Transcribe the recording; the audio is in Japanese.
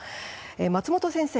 松本先生